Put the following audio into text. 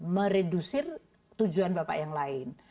meredusir tujuan bapak yang lain